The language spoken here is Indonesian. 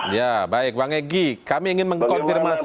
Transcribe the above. ya baik bang egy kami ingin mengkonfirmasi